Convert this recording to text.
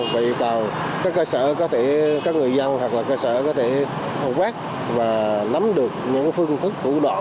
và yêu cầu các cơ sở có thể các người dân hoặc là cơ sở có thể quét và nắm được những phương thức thủ đoạn